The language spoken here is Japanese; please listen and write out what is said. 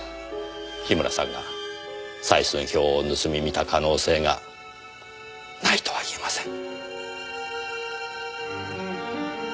樋村さんが採寸表を盗み見た可能性がないとは言えません。